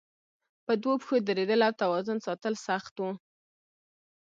په دوو پښو درېدل او توازن ساتل سخت وو.